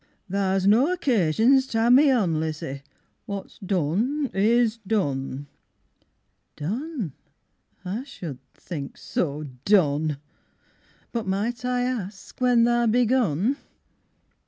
Tha's no occasions ter ha'e me on Lizzie what's done is done! Done, I should think so Done! But might I ask when tha begun?